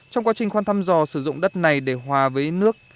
trong quá trình khoan thăm dò sử dụng đất này để hòa với nước